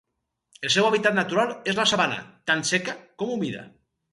El seu hàbitat natural és la sabana, tant seca com humida.